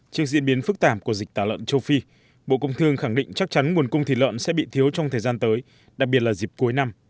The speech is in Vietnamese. trước diễn biến phức tạp của dịch tả lợn châu phi bộ công thương khẳng định chắc chắn nguồn cung thịt lợn sẽ bị thiếu trong thời gian tới đặc biệt là dịp cuối năm